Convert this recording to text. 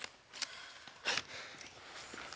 はい。